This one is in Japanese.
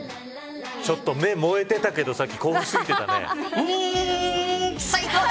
ちょっと目が燃えてたけどさっき興奮しすぎてたね。